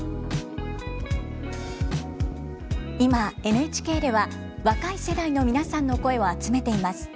今ＮＨＫでは若い世代の皆さんの声を集めています。